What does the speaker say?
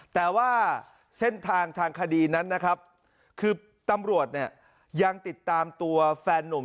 แต่ว่าเส้นทางทางคดีนั้นนะครับคือตำรวจเนี่ยยังติดตามตัวแฟนนุ่ม